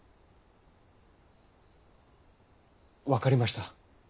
分かりました。